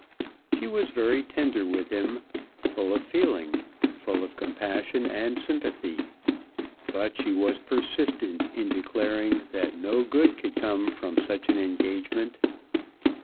She was very tender with him, full of feeling, full of compassion and sympathy; but she was persistent in declaring that no good could come from such an engagement.